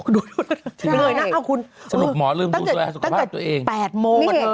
ดูน่ะน่ะคุณตั้งแต่๘โมงเหมือนกับเธอจนบ่าย๒